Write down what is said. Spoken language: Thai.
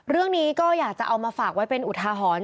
เรื่องนี้ก็อยากจะเอามาฝากไว้เป็นอุทาหรณ์